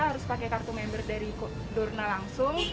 harus pakai kartu member dari dorna langsung